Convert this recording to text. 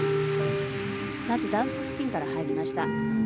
まずダンススピンから入りました。